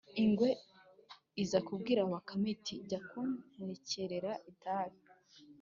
ingwe iza kubwira bakame iti « jya kuntekerera itabi.